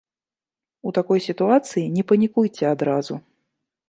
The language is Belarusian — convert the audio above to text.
У такой сітуацыі не панікуйце адразу.